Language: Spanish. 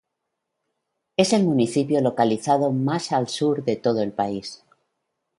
Es el municipio localizado más al sur de todo el país.